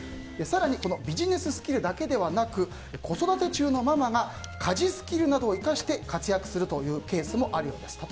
更にこのビジネススキルだけではなく子育て中のママが家事スキルなどを生かして活躍するというケースもあるんです。